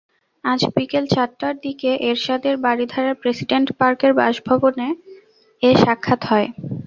আজ বিকেল চারটার দিকে এরশাদের বারিধারার প্রেসিডেন্ট পার্কের বাসভবনে এ সাক্ষাৎ হয়।